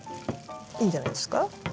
いいんじゃないですか。